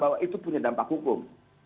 bahwa itu punya dampak hukum